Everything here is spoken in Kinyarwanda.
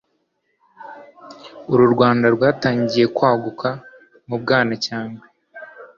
Uru Rwanda rwatangiriye kwaguka mu Bwanacyambwe,